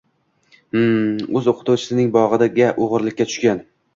Him!.. Oʻz oʻqituvchisining bogʻiga oʻgʻirlikka tushgan.